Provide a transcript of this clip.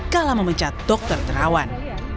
kala memecat dokter terawan